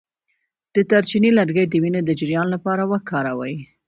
د دارچینی لرګی د وینې د جریان لپاره وکاروئ